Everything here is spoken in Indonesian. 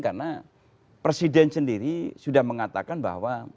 karena presiden sendiri sudah mengatakan bahwa